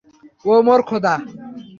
ওহ, মোর খোদা!